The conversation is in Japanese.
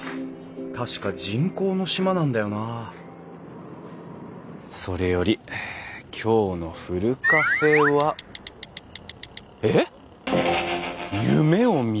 確か人工の島なんだよなそれより今日のふるカフェは。えっ！？